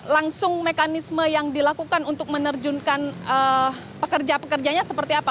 langsung mekanisme yang dilakukan untuk menerjunkan pekerja pekerjanya seperti apa